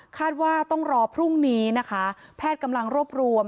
ว่าต้องรอพรุ่งนี้นะคะแพทย์กำลังรวบรวม